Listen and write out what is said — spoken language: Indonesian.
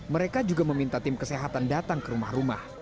mereka juga meminta tim kesehatan datang ke rumah rumah